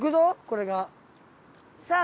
これが。